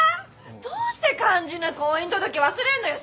どうして肝心な婚姻届忘れんのよ！